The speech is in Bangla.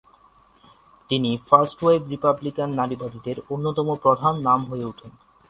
তিনি ফার্স্ট ওয়েভ রিপাবলিকান নারীবাদীদের অন্যতম প্রধান নাম হয়ে ওঠেন।